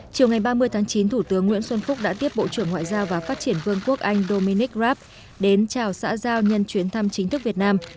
chiều ngày ba mươi tháng chín thủ tướng nguyễn xuân phúc đã tiếp bộ trưởng ngoại giao và phát triển vương quốc anh dominic raab đến chào xã giao nhân chuyến thăm chính thức việt nam